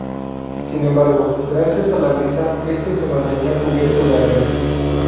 Sin embargo, gracias a la brisa este se mantenía cubierto de arena.